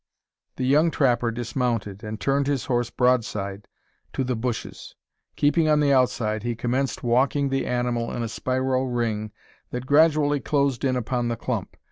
The young trapper dismounted, and turned his horse broadside to the bushes. Keeping on the outside, he commenced walking the animal in a spiral ring that gradually closed in upon the clump.